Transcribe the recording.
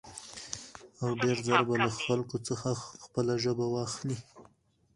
او ډېر زر به له خلکو څخه خپله ژبه واخلي.